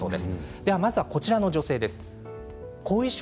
まずはこちらの女性です。